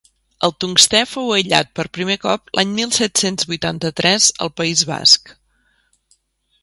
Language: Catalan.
El tungstè fou aïllat per primer cop l'any mil set-cents vuitanta-tres al País Basc.